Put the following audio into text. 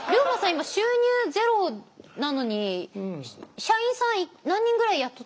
今収入０なのに社員さん何人ぐらい雇ってらっしゃるんですか？